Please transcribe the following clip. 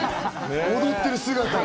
踊ってる姿が。